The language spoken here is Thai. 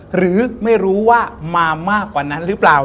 หรือไม่รู้ว่ามามากกว่านั้นหรือเปล่า